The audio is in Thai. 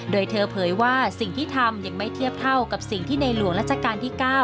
โดยเธอเผยว่าสิ่งที่ทำยังไม่เทียบเท่ากับสิ่งที่ในหลวงราชการที่๙